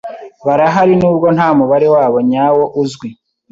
barahari nubwo nta mubare wabo nyawo uzwi.